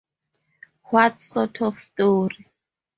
What sort of story?